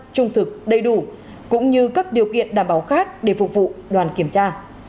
trung thực đầy đủ cũng như các điều kiện đảm bảo khác để phục vụ đoàn kiểm tra